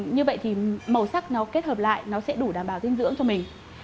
như vậy thì màu sắc nó kết hợp lại nó sẽ đủ đảm bảo dinh dưỡng cho mình